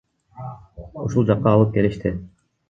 Ушул жакка алып келишти.